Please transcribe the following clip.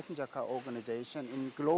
dan juga organisasi pesawat